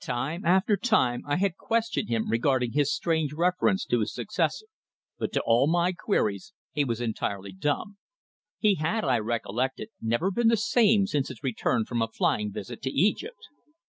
Time after time I had questioned him regarding his strange reference to his successor, but to all my queries he was entirely dumb. He had, I recollected, never been the same since his return from a flying visit to Egypt.